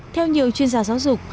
theo nhiều chuyên gia giáo dục